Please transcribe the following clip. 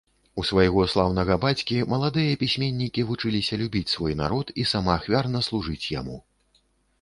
У свайго слаўнага бацькі маладыя пісьменнікі вучыліся любіць свой народ і самаахвярна служыць яму.